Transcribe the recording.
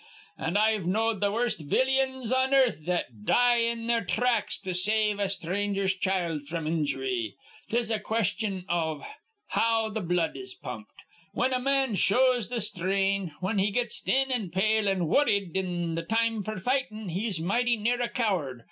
An' I've knowed th' worst villyuns on earth that'd die in their thracks to save a stranger's child fr'm injury. 'Tis a question iv how th' blood is pumped. Whin a man shows th' sthrain, whin he gets thin an' pale an' worrid in th' time f'r fightin', he's mighty near a cow'rd.